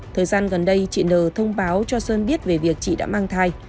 thời gian gần đây chị nờ thông báo cho sơn biết về việc chị đã mang thai